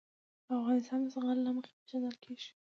افغانستان د زغال له مخې پېژندل کېږي.